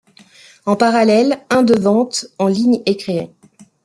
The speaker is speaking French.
En parallèle, un de vente en ligne est créé.